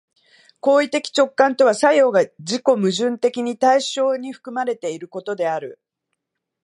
行為的直観とは作用が自己矛盾的に対象に含まれていることである。